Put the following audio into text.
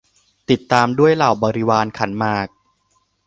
ติดตามด้วยเหล่าบริวารขันหมาก